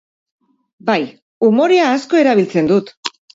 Bai, umorea asko erabiltzen dut.